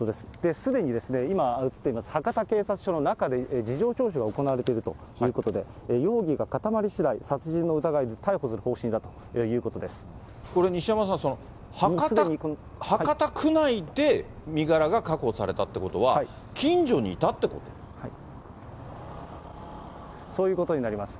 すでに、今映っています博多警察署の中で事情聴取が行われているということで、容疑が固まりしだい、殺人の疑いで逮捕する方針だというここれ、西山さん、博多区内で身柄が確保されたということは、そういうことになります。